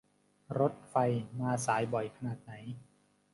รถไฟมาสายบ่อยขนาดไหน